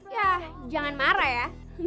yah jangan marah ya